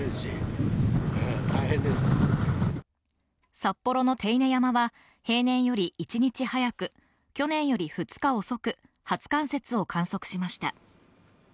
札幌の手稲山は平年より１日早く去年より２日遅初冠雪を観測しました。